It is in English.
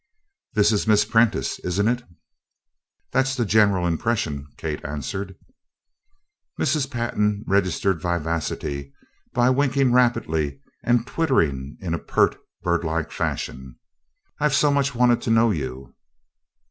"This is Miss Prentice, isn't it?" "That's the general impression," Kate answered. Mrs. Pantin registered vivacity by winking rapidly and twittering in a pert birdlike fashion: "I've so much wanted to know you!"